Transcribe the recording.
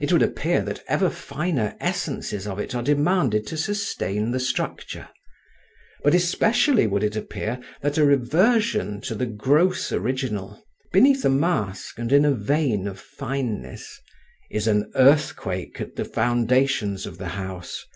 It would appear that ever finer essences of it are demanded to sustain the structure; but especially would it appear that a reversion to the gross original, beneath a mask and in a vein of fineness, is an earthquake at the foundations of the House.